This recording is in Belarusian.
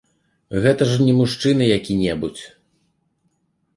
Гэта ж не мужчына які-небудзь.